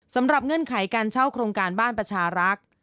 เงื่อนไขการเช่าโครงการบ้านประชารักษ์